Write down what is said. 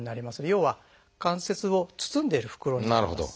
要は関節を包んでいる袋になります。